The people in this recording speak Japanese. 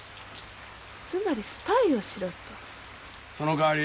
つまりスパイをしろと。